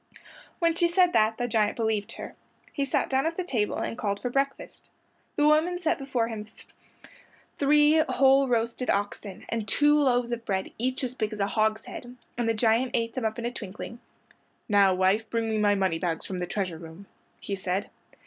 When she said that the giant believed her. He sat down at the table and called for breakfast. The woman set before him three whole roasted oxen and two loaves of bread each as big as a hogshead, and the giant ate them up in a twinkling. "Now, wife, bring me my moneybags from the treasure room," he said.